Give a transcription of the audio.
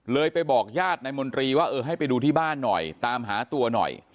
ไปบอกญาตินายมนตรีว่าเออให้ไปดูที่บ้านหน่อยตามหาตัวหน่อย